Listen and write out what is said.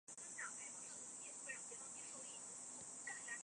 辉发与后来崛起的建州女真努尔哈赤势力屡有摩擦。